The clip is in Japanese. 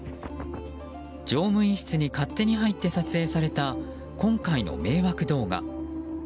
乗務員室に勝手に入って撮影された、今回の迷惑動画。